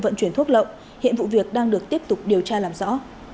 vận chuyển thuốc lậu hiện vụ việc đang được tiếp tục điều tra làm rõ